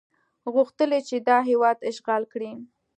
غوښتل یې چې دا هېواد اشغال کړي.